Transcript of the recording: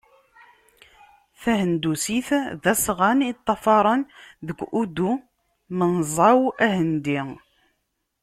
Tihendusit d asɣan i ṭṭafaren deg udu-menẓaw ahendi.